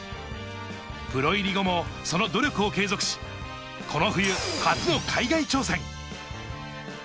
プロ入り後もその努力を継続し、この冬、初の海外挑戦。